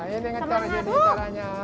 ini ngecor jadi caranya